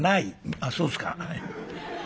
あっそうですか」。